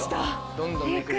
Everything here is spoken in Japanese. どんどんめくる。